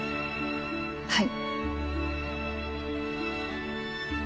はい。